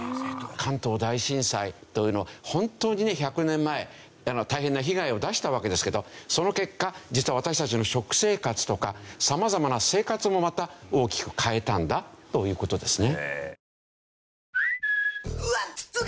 関東大震災というのは本当にね１００年前大変な被害を出したわけですけどその結果実は私たちの食生活とかさまざまな生活もまた大きく変えたんだという事ですね。